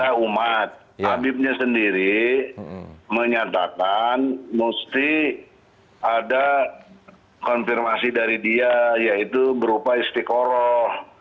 karena umat habibnya sendiri menyatakan mesti ada konfirmasi dari dia yaitu berupa istiqoroh